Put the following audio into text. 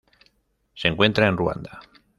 Se encuentra en Ruanda.